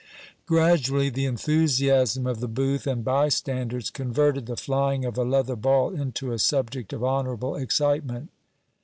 Gradually the enthusiasm of the booth and bystanders converted the flying of a leather ball into a subject of honourable excitement.